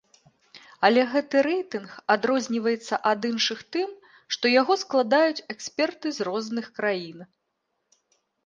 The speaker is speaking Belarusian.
Але гэты рэйтынг адрозніваецца ад іншых тым, што яго складаюць эксперты з кожнай краіны.